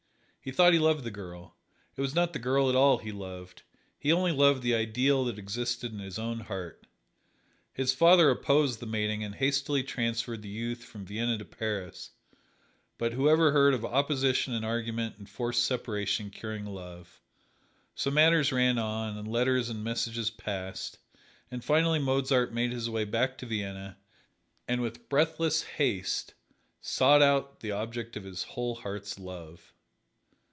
He thought he loved the girl. It was not the girl at all he loved: he only loved the ideal that existed in his own heart. His father opposed the mating and hastily transferred the youth from Vienna to Paris; but who ever heard of opposition and argument and forced separation curing love? So matters ran on and letters and messages passed, and finally Mozart made his way back to Vienna and with breathless haste sought out the object of his whole heart's love.